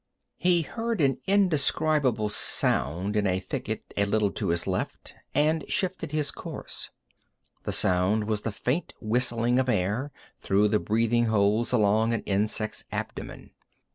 He heard an indescribable sound in a thicket a little to his left, and shifted his course. The sound was the faint whistling of air through the breathing holes along an insect's abdomen.